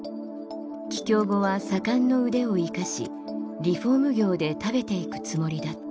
帰郷後は左官の腕を生かしリフォーム業で食べていくつもりだった。